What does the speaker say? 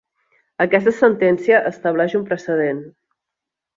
Aquesta sentència estableix un precedent.